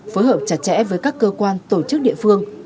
phối hợp chặt chẽ với các cơ quan tổ chức địa phương